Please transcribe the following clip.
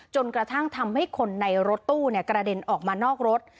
จนกระทั่งทำให้คนในรถตู้กระเด็นออกมานอกรถ